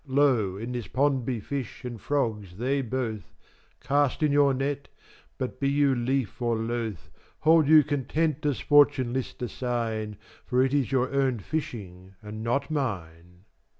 Lo in this pond be fish and frogs they both, Cast in your net, but be you lief or loath,4 Hold you content as Fortune list assign For it is your own fishing and not mine.